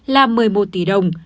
là một mươi một tỷ đồng